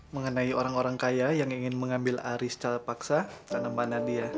mengenai orang orang kaya yang ingin mengambil aris calpaksa karena mbak nadia